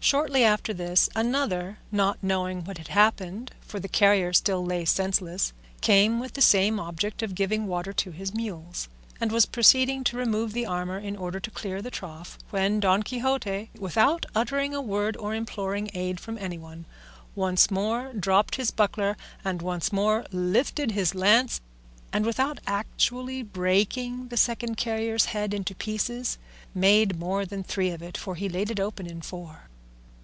Shortly after this, another, not knowing what had happened (for the carrier still lay senseless), came with the same object of giving water to his mules, and was proceeding to remove the armour in order to clear the trough, when Don Quixote, without uttering a word or imploring aid from anyone, once more dropped his buckler and once more lifted his lance, and without actually breaking the second carrier's head into pieces, made more than three of it, for he laid it open in four.